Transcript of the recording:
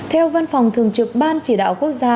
theo văn phòng thường trực ban chỉ đạo quốc gia